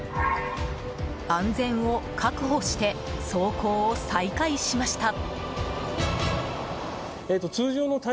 安全を確保して走行を再開しました。